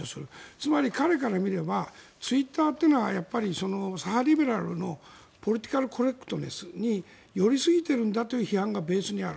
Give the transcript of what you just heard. つまり彼から見ればツイッターっていうのは左派リベラルのポリティカル・コレクトネスに寄りすぎているんだという批判がベースにある。